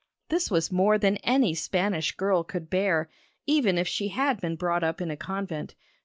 This was more than any Spanish girl could bear, even if she had been brought up in a convent.